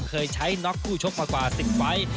เคยใช้น็อกคู่ชกมากว่า๑๐ไฟล์